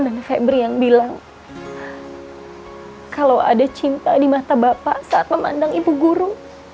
dan febri yang bilang kalau ada cinta di mata bapak saat memandang ibu guru